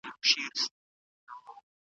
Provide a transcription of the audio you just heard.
احمد شاه ابدالي د پلار د مرګ وروسته څه وکړل؟